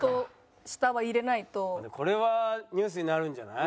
これはニュースになるんじゃない？